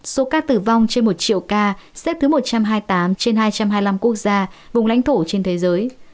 số ca tử vong trên một triệu ca xếp thứ một trăm hai mươi tám trên hai trăm hai mươi năm quốc gia vùng lãnh thổ trên thế giới